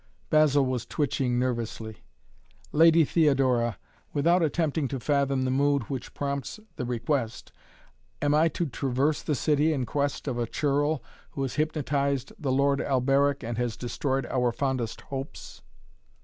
Basil was twitching nervously. "Lady Theodora, without attempting to fathom the mood which prompts the request, am I to traverse the city in quest of a churl who has hypnotized the Lord Alberic and has destroyed our fondest hopes?"